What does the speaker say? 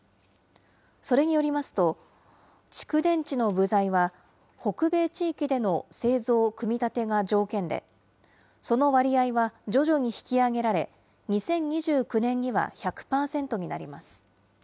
それによりますと、蓄電池の部材は、北米地域での製造・組み立てが条件でその割合は徐々に引き上げられ、２０２９年には１００％になります。